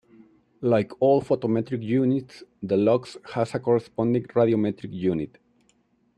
Like all photometric units, the lux has a corresponding "radiometric" unit.